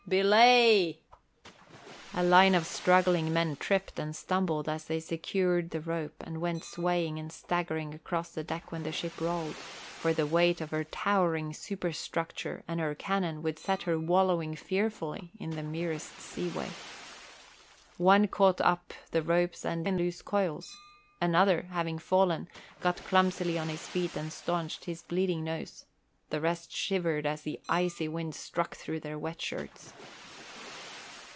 "Belay!" A line of struggling men tripped and stumbled as they secured the rope and went swaying and staggering across the deck when the ship rolled; for the weight of her towering superstructure and her cannon would set her wallowing fearfully in the merest seaway. One caught up the rope's end in loose coils; another, having fallen, got clumsily on his feet and staunched his bleeding nose; the rest shivered as the icy wind struck through their wet shirts.